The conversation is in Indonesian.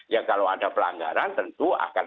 ya kalau ada pelanggaran tentu akan